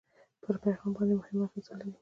پر پیغام باندې مهمه اغېزه ولري.